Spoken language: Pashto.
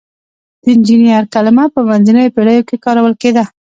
د انجینر کلمه په منځنیو پیړیو کې کارول کیده.